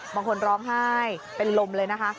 บางคนร้องไห้เป็นลมเลยนะคะ